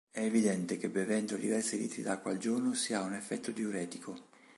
È evidente che bevendo diversi litri d'acqua al giorno si ha un effetto diuretico.